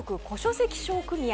籍商組合